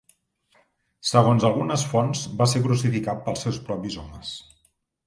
Segons algunes fonts, va ser crucificat pels seus propis homes.